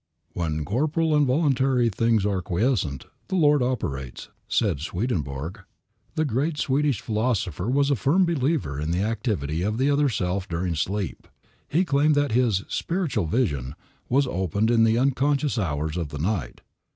"When corporal and voluntary things are quiescent, the Lord operates," said Swedenborg. The great Swedish philosopher was a firm believer in the activity of the other self during sleep. He claimed that his "spiritual vision" was opened in the unconscious hours of the night.